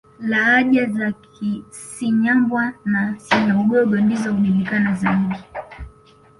Lahaja za Cinyambwa na Cinyaugogo ndizo hujulikana zaidi